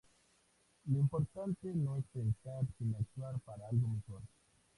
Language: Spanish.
Lo importante no es pensar sino actuar para algo mejor".